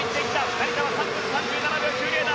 成田は３分３７秒９０だ。